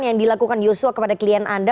yang dilakukan yosua kepada klien anda